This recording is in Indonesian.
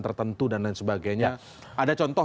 tertentu dan lain sebagainya ada contoh